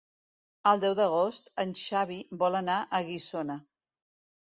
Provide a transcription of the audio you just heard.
El deu d'agost en Xavi vol anar a Guissona.